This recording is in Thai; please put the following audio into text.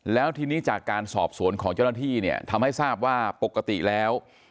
แล้วทีนี้จากการสอบสวนของเจ้าหน้าที่เนี่ยทำให้ทราบว่าปกติแล้ว